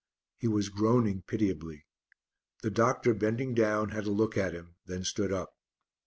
He was groaning pitiably. The doctor bending down had a look at him, then stood up.